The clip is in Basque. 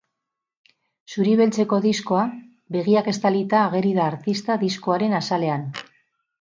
Zuri beltzeko diskoa, begiak estalita ageri da artista diskoaren azalean.